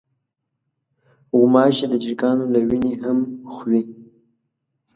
غوماشې د چرګانو له وینې هم خوري.